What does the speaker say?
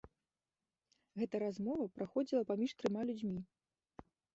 Гэта размова праходзіла паміж трыма людзьмі.